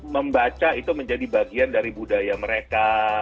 membaca itu menjadi bagian dari budaya mereka